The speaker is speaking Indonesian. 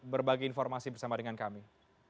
berbagi informasi bersama dengan kami